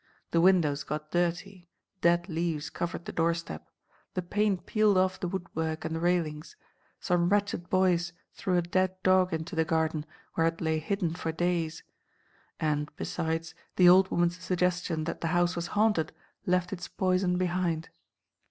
The windows got dirty; dead leaves covered the door step; the paint peeled off the woodwork and the railings; some wretched boys threw a dead dog into the garden, where it lay hidden for days; and, besides, the old woman's suggestion that the house was haunted, left its poison behind.